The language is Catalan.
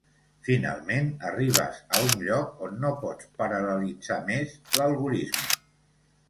Finalment, arribes a un lloc on no pots paral·lelitzar més l'algorisme.